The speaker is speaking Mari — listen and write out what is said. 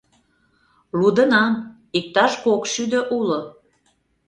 — Лудынам, иктаж кок шӱдӧ уло...